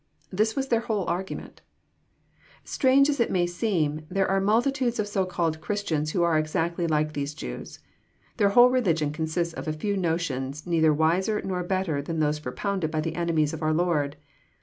This was their whole argument ! Strange as it may seem, there are multitudes of so called Christians who are exactly like these Jews. Their whole religion consist of a few notions neither wiser nor better than those propounded by the enemies of our Lord.